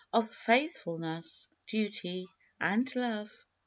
Of faithfulness, duty and love.